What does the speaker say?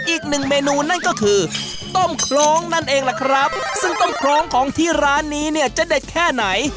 อีกหนึ่งเมนูนั่นก็คือต้มโครงนั่นเองล่ะครับซึ่งต้มโครงของที่ร้านนี้เนี่ยจะเด็ดแค่ไหน